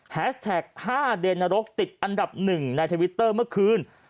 แท็ก๕เดนรกติดอันดับ๑ในทวิตเตอร์เมื่อคืน